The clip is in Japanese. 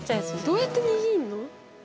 どうやって握んの？